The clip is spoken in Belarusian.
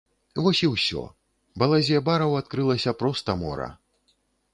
Вось і ўсё, балазе бараў адкрылася проста мора.